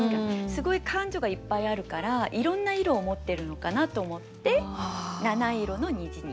すごい感情がいっぱいあるからいろんな色を持ってるのかなと思って「七色の虹」に。